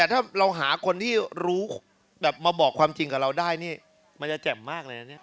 แต่ถ้าเราหาคนที่รู้แบบมาบอกความจริงกับเราได้นี่มันจะแจ่มมากเลยนะเนี่ย